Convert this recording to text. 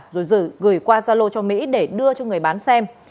rồi gửi qua gia lô cho mỹ để đưa cho người bán xem